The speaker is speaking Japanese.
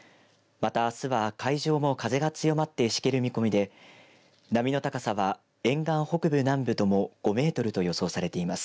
また、あすは海上も風が強まって、しける見込みで波の高さは沿岸北部、南部とも５メートルと予想されています。